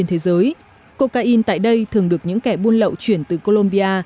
thế giới cocaine tại đây thường được những kẻ buôn lậu chuyển từ colombia